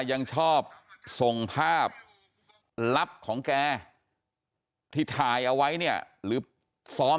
ยังชอบส่งภาพลับของแกที่ถ่ายเอาไว้เนี่ยหรือซ้อม